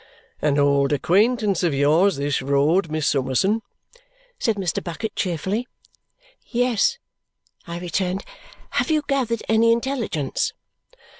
"An old acquaintance of yours, this road, Miss Summerson," said Mr. Bucket cheerfully. "Yes," I returned. "Have you gathered any intelligence?"